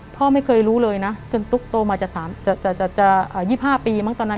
พ่อไม่เคยรู้เลยนะจนตุ๊กโตมาจากสามจาจาจา๒๕ปีมั้งตอนนั้น